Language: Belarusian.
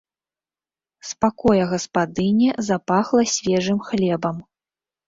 З пакоя гаспадыні запахла свежым хлебам.